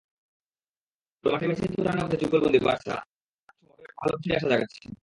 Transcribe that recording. তবে মাঠে মেসি-তুরানের মধ্যে যুগলবন্দী বার্সা সমর্থকদের আরও ভালো কিছুরই আশা জাগাচ্ছে।